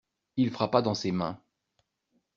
Il frappa dans ses mains.